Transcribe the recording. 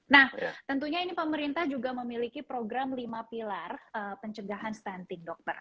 nah tentunya ini pemerintah juga memiliki program lima pilar pencegahan stunting dokter